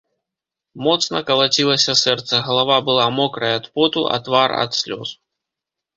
Моцна калацілася сэрца, галава была мокрая ад поту, а твар ад слёз.